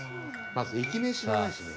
まず駅名知らないしね。